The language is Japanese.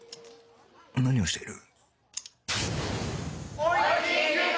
何をしている？